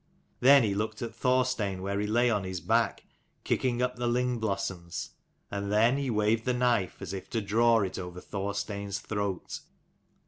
Then he looked at Thorstein where he lay on his back, kicking up the ling blossoms : and then he waved the knife as if to draw it over Thorstein's throat.